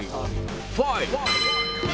ファイト！